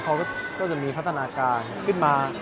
เขาก็จะมีพัฒนาการขึ้นมา